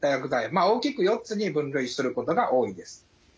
まあ大きく４つに分類することが多いです。